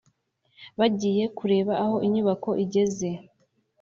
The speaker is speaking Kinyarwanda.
bagiye kureba aho inyubako igeze